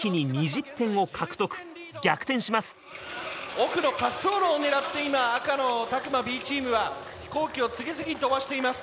奥の滑走路を狙って今赤の詫間Ｂチームは飛行機を次々飛ばしています。